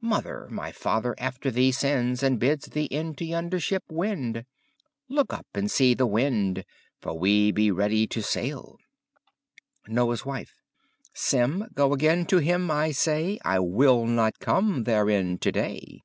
Mother, my father after thee sends. And byddes thee into yeinder shippe wende. Loke up and see the wynde. For we bene readye to sayle. Noye's Wiffe Seme, goe againe to hym, I saie; I will not come theirin to daye.